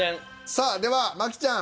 さあでは麻貴ちゃん。